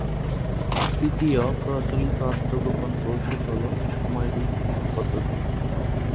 তৃতীয় প্রচলিত আত্মগোপন কৌশল হল সময়-ভিত্তিক পদ্ধতি।